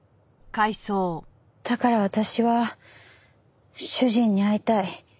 だから私は主人に会いたい。